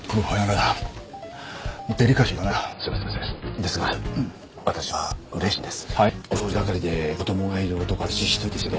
ですが私は嬉しいんです。